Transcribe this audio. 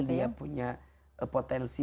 dia punya potensi